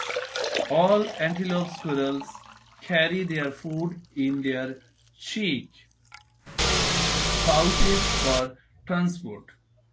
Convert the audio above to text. All Antelope Squirrels carry their food in their cheek pouches for transport.